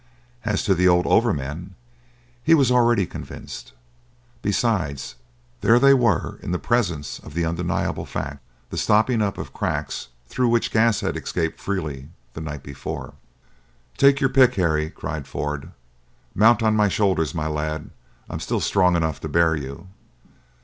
As to the old overman, he was already convinced. Besides, there they were in the presence of an undeniable fact—the stopping up of cracks through which gas had escaped freely the night before. "Take your pick, Harry," cried Ford; "mount on my shoulders, my lad! I am still strong enough to bear you!"